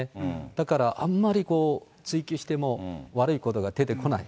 だからあんまり追及しても悪いことが出てこない。